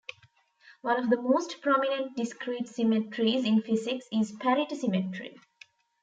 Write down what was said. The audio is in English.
One of the most prominent discrete symmetries in physics is parity symmetry.